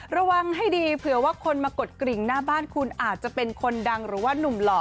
ระวังให้ดีเผื่อว่าคนมากดกริ่งหน้าบ้านคุณอาจจะเป็นคนดังหรือว่านุ่มหล่อ